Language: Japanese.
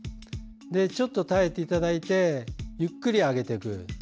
ちょっと耐えていただいてゆっくり上げていく。